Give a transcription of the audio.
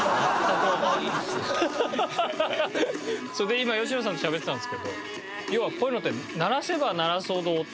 今吉野さんとしゃべってたんですけど要はこういうのって。